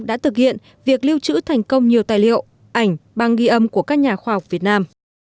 đã thực hiện việc lưu trữ thành công nhiều tài liệu ảnh bằng ghi âm của các nhà khoa học việt nam